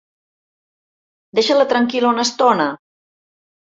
Deixa-la tranquil·la una estona!